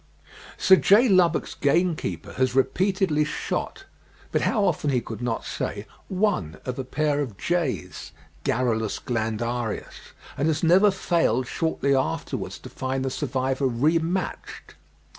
Sir J. Lubbock's gamekeeper has repeatedly shot, but how often he could not say, one of a pair of jays (Garrulus glandarius), and has never failed shortly afterwards to find the survivor re matched.